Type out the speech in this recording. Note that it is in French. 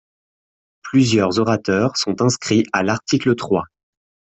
Plusieurs orateurs sont inscrits à l’article trois.